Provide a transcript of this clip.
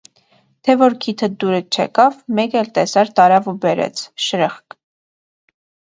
թե որ քիթդ դուր չեկավ, մեկ էլ տեսար տարավ ու բերեց - շրըխկ: